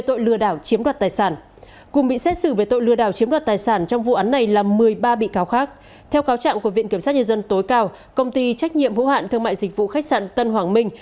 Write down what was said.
theo cáo trạng của viện kiểm sát nhân dân tối cao công ty trách nhiệm hữu hạn thương mại dịch vụ khách sạn tân hoàng minh